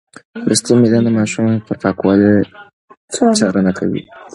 لوستې میندې د ماشوم پر پاکوالي څارنه کوي.